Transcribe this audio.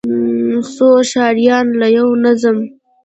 څو ښاريان له يو منظم،